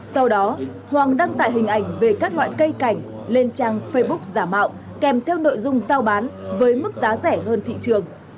sau đó hoàng đăng tải hình ảnh về các loại cây cảnh lên trang facebook giả mạo kèm theo nội dung giao bán với mức giá rẻ hơn thị trường